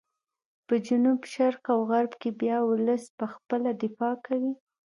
په جنوب شرق او غرب کې بیا ولس په خپله دفاع کوي.